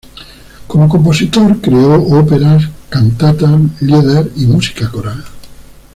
Como compositor, creó óperas, cantatas, lieder y música coral.